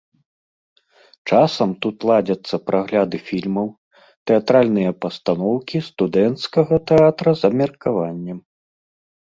Часам тут ладзяцца прагляды фільмаў, тэатральныя пастаноўкі студэнцкага тэатра з абмеркаваннем.